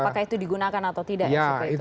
apakah itu digunakan atau tidak sop itu